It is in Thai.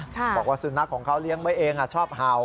บอกว่าสุนัขของเขาเลี้ยงไว้เองชอบเห่า